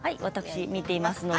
私、見ています。